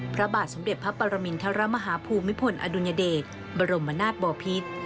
พระบาทสมเด็จพระปรมินทรมาฮาภูมิพลอดุลยเดชบรมนาศบอพิษ